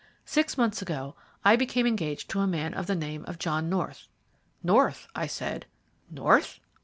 Six months ago I became engaged to a man of the name of John North." "North!" I said, "North."